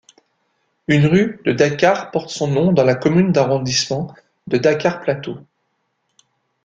Une rue de Dakar porte son nom dans la commune d’arrondissement de Dakar-Plateau.